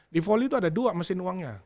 di voli itu ada dua mesin uangnya